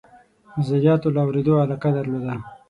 نظریاتو له اورېدلو علاقه درلوده.